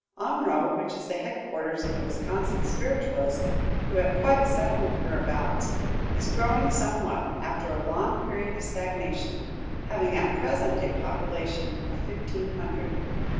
Omro, which is the headquarters of the Wisconsin Spiritualists, who have quite a settlement hereabouts, is growing somewhat, after a long period of stagnation, having at present a population of fifteen hundred.